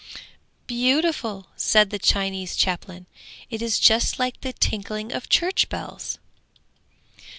'Beautiful!' said the Chinese chaplain, 'it is just like the tinkling of church bells.'